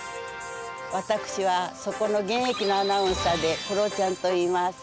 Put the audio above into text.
私はそこの現役のアナウンサーでクロちゃんといいます。